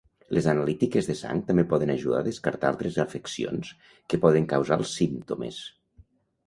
Les analítiques de sang també poden ajudar a descartar altres afeccions que poden causar els símptomes.